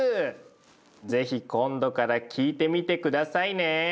是非今度から聞いてみて下さいね。